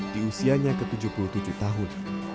di usianya ke tujuh puluh tujuh tahun